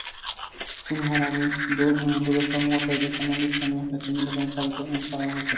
খুন হওয়ার আগে দৃক কর্মকর্তা ইরফানুল ইসলামের কাছে মুঠোফোনে চাঁদা চাওয়া হয়েছিল।